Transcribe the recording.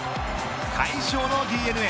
快勝のＤｅＮＡ。